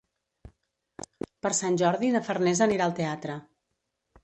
Per Sant Jordi na Farners anirà al teatre.